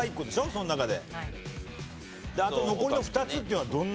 その中で。